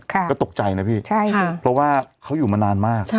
ก็ตกใจนะพี่ใช่ค่ะเพราะว่าเขาอยู่มานานมาก